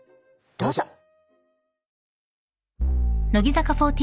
どうぞ。